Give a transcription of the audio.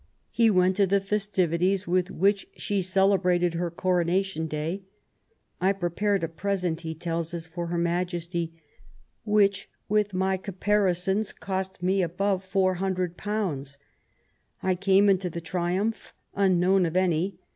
He went to the festivities with which she celebrated her coronation day. I prepared a present," he tells 270 QUEEN ELIZABETH. US, for Her Majesty, which with my caparisons cost me above four hundred pounds. I came into the triumph unknown of any.